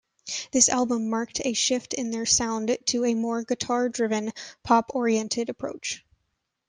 This album marked a shift in their sound to a more guitar-driven, pop-oriented approach.